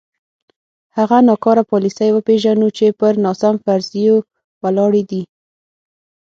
هغه ناکاره پالیسۍ وپېژنو چې پر ناسم فرضیو ولاړې دي.